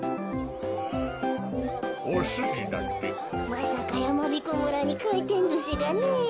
まさかやまびこ村にかいてんずしがねえ。